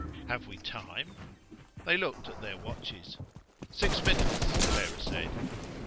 "Have we time?" They looked at their watches. "Six minutes," Clara said.